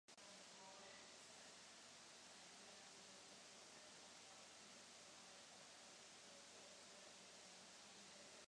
Opera byla nominována na International Opera Awards v kategorii pro nejlepší světovou premiéru.